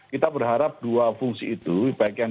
kita berharap dua fungsi itu baik yang